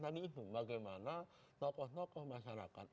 tadi itu bagaimana tokoh tokoh masyarakat